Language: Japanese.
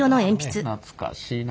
懐かしいな。